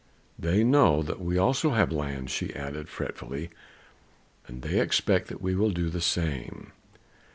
They know that we also have lands," she added fretfully, "and they expect that we will do the same.